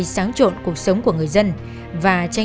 sông ai chư